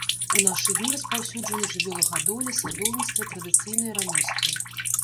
У нашы дні распаўсюджаны жывёлагадоўля, садоўніцтва, традыцыйныя рамёствы.